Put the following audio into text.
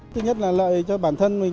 thứ nhất là lợi cho bản thân mình